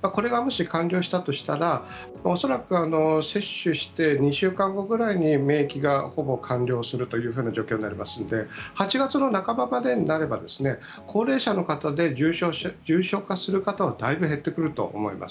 これがもし、完了したとしたら恐らく接種して２週間後ぐらいに免疫がほぼ完了するという状況になりますので８月の半ばまでになれば高齢者の方で重症化する方はだいぶ減ってくると思います。